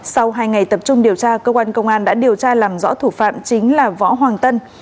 sau hai ngày tập trung điều tra cơ quan công an đã điều tra làm rõ thủ phạm chính là võ hoàng tân